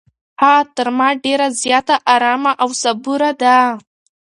هغه تر ما ډېره زیاته ارامه او صبوره ده.